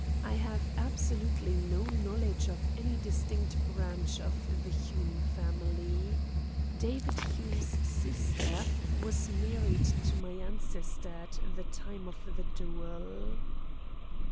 I have absolutely no knowledge of any distinct branch of the Hume family. David Hume's sister was married to my ancestor at the time of the duel."